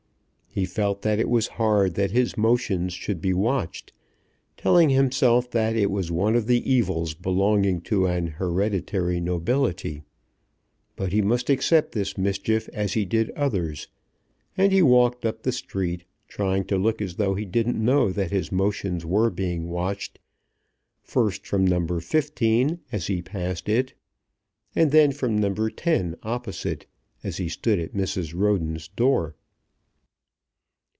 He felt that it was hard that his motions should be watched, telling himself that it was one of the evils belonging to an hereditary nobility; but he must accept this mischief as he did others, and he walked up the street trying to look as though he didn't know that his motions were being watched first from Number Fifteen as he passed it, and then from Number Ten opposite, as he stood at Mrs. Roden's door.